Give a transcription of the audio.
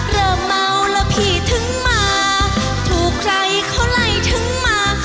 เริ่มเมาแล้วพี่ถึงมาถูกไหลของไลธ์ถึงมา